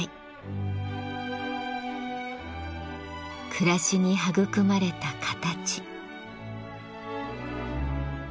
暮らしに育まれた形。